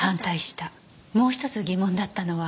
もう１つ疑問だったのは。